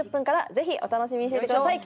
ぜひお楽しみにしててください。